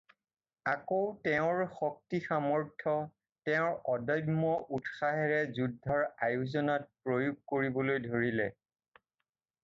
আকৌ তেওঁৰ শক্তি-সামৰ্থ্য, তেওঁৰ অদম্য উৎসাহেৰে যুদ্ধৰ আয়োজনত প্ৰয়োগ কৰিবলৈ ধৰিলে।